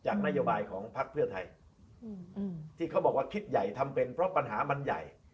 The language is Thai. นโยบายของพักเพื่อไทยที่เขาบอกว่าคิดใหญ่ทำเป็นเพราะปัญหามันใหญ่